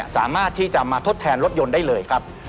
สามารถที่จะมาทดแทนรถยนต์ได้เลยครับ